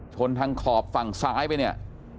ชนทางขอบฝั่งซ้ายไปเนี่ย